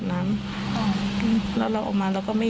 จะมัดเหนือและเทียนเนี่ย